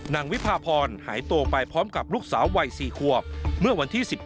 นางวิพาพรหายตัวไปพร้อมกับลูกสาวไว้๔ควบเมื่อวันที่๑๐กันยายน